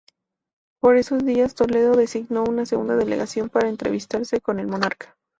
Por esos días, Toledo designó una segunda delegación para entrevistarse con el monarca.